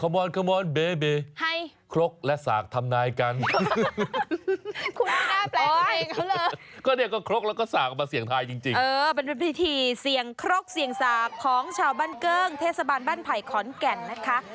เป็นพิธีเสี่ยงครกเสี่ยงสากของชาวบ้านเกิ้งเทศบาลบ้านไผ่ขอนแก่นนะคะ